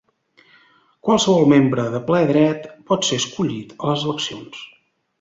Qualsevol membre de ple dret pot ser escollit a les eleccions.